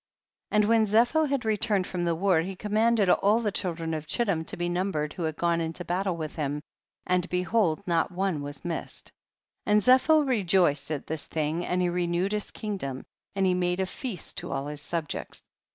3. And when Zepho had returned from the war, he commanded all the children of Chittim to be numbered 202 THE BOOK OF JASHER. who had gone into battle with him, and behold not one was missed. 4. And Zepho rejoiced at this thing, and he renewed his kingdom,* and he made a feast to all his subjects.